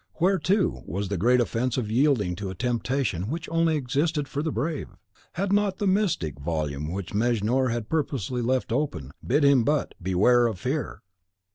Where, too, was the great offence of yielding to a temptation which only existed for the brave? Had not the mystic volume which Mejnour had purposely left open, bid him but "Beware of fear"?